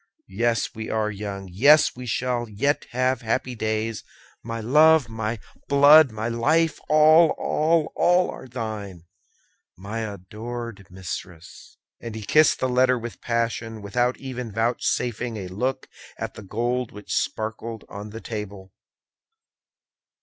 Yes, we are young; yes, we shall yet have happy days! My love, my blood, my life! all, all, all, are thine, my adored mistress!" And he kissed the letter with passion, without even vouchsafing a look at the gold which sparkled on the table.